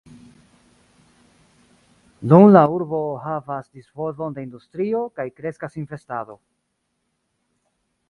Nun la urbo havas disvolvon de industrio, kaj kreskas investado.